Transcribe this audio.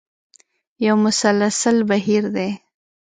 یو مسلسل بهیر دی.